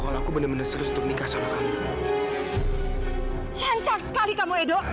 kalau aku bener bener serius untuk nikah sama kamu